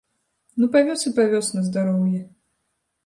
Ну, павёз і павёз, на здароўе.